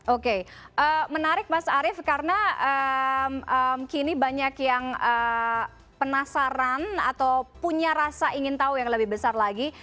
oke menarik mas arief karena kini banyak yang penasaran atau punya rasa ingin tahu yang lebih besar lagi